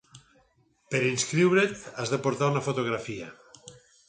Per inscriure't has de portar una fotografia.